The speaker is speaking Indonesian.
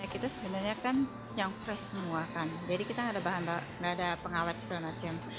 kita sebenarnya kan yang fresh semua kan jadi kita ada bahan ada pengawet segala macam